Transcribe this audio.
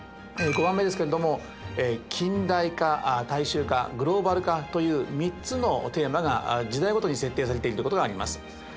５番目ですけれども近代化大衆化グローバル化という３つのテーマが時代ごとに設定されているということがあります。